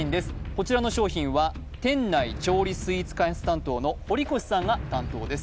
こちらの商品は店内調理スイーツ開発担当の堀越さんが担当です